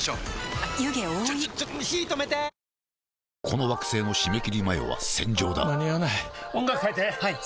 この惑星の締め切り前は戦場だ間に合わない音楽変えて！はいっ！